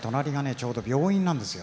ちょうど病院なんですよ。